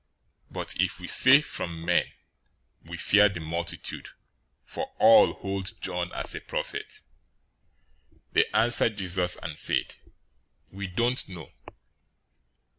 021:026 But if we say, 'From men,' we fear the multitude, for all hold John as a prophet." 021:027 They answered Jesus, and said, "We don't know."